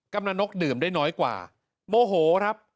กำลังนกดื่มได้น้อยกว่าโมโหครับ